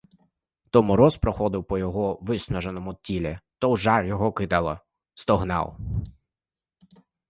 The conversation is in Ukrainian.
То мороз проходив по його виснаженому тілі, то в жар його кидало — стогнав.